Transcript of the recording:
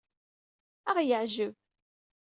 Ad aɣ-yeɛjeb.